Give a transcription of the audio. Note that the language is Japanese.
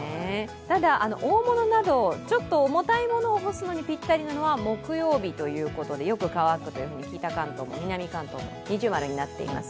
ただ大物など、ちょっと重たいものを干すのにぴったりなのは木曜日ということで北関東も南関東も二重丸になっています。